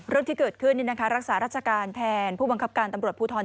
เรื่องที่เกิดขึ้นรักษาราชการแทนผู้บังคับการตำรวจภูทร